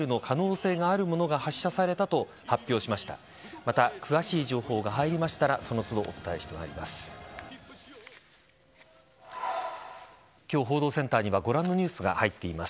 また詳しい情報が入りましたらその都度、お伝えしてまいります。